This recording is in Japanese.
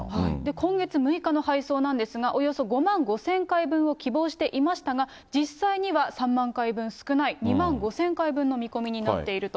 今月６日の配送なんですが、およそ５万５０００回分を希望していましたが、実際には３万回分少ない２万５０００回分の見込みになっていると。